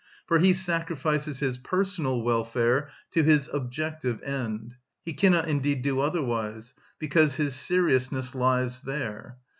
For he sacrifices his personal welfare to his objective end; he cannot indeed do otherwise, because his seriousness lies there.